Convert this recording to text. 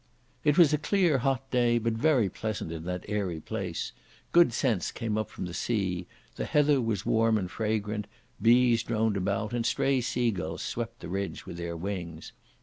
It was a clear, hot day, but very pleasant in that airy place. Good scents came up from the sea, the heather was warm and fragrant, bees droned about, and stray seagulls swept the ridge with their wings.